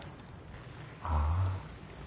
ああ。